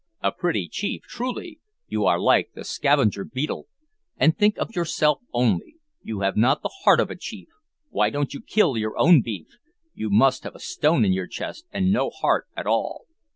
A pretty chief, truly; you are like the scavenger beetle, and think of yourself only; you have not the heart of a chief. Why don't you kill your own beef? You must have a stone in your chest, and no heart at all."